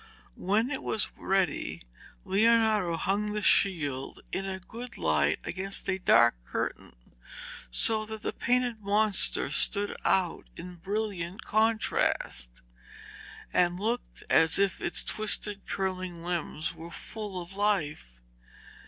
When it was ready Leonardo hung the shield in a good light against a dark curtain, so that the painted monster stood out in brilliant contrast, and looked as if its twisted curling limbs were full of life.